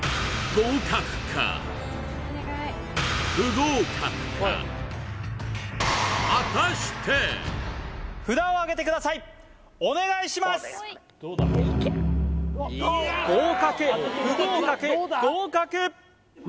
合格不合格合格